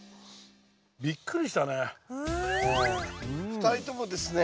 ２人ともですね